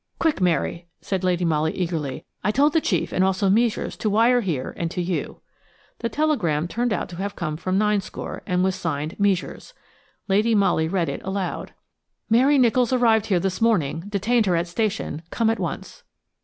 "Quick, Mary," said Lady Molly, eagerly. "I told the chief and also Meisures to wire here and to you." The telegram turned out to have come from Ninescore, and was signed "Meisures." Lady Molly read it aloud: "Mary Nicholls arrived here this morning. Detained her at station. Come at once."